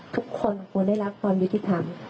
ทุกคนควรได้รับความยุติธรรม